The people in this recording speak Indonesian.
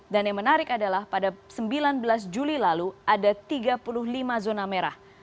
dan yang menarik adalah pada sembilan belas juli lalu ada tiga puluh lima zona merah